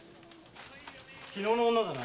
昨日の女だな？